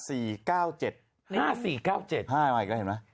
๕อีกแล้วเห็นไหม